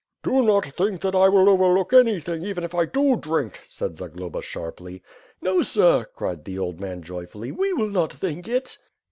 "Do not think that I will overlook anything even if I do drink," said Zagloba sharply. "No sir," cried the old man joyfully, "we will not think it."